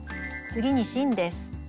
次に芯です。